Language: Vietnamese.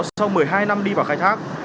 sau một mươi hai năm đi vào khai thác